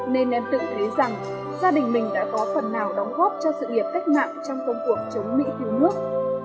nên em tự thấy rằng gia đình mình đã có phần nào đóng góp cho sự nghiệp cách mạng trong công cuộc chống mỹ cứu nước